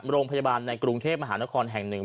โรงพยาบาลในกรุงเทพมหานครแห่งหนึ่ง